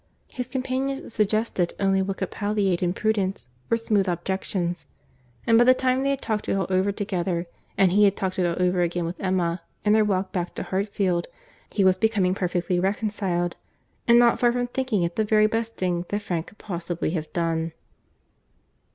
His companions suggested only what could palliate imprudence, or smooth objections; and by the time they had talked it all over together, and he had talked it all over again with Emma, in their walk back to Hartfield, he was become perfectly reconciled, and not far from thinking it the very best thing that Frank could possibly have done.